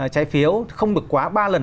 trái phiếu không được quá ba lần